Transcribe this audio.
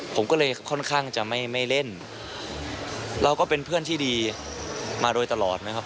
ผมก็เลยค่อนข้างจะไม่ไม่เล่นเราก็เป็นเพื่อนที่ดีมาโดยตลอดนะครับ